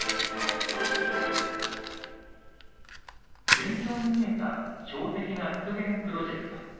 順調に見えた障壁画復元プロジェクト。